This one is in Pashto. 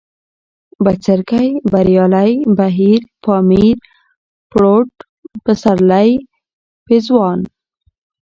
بڅرکى ، بريالی ، بهير ، پامير ، پروټ ، پسرلی ، پېزوان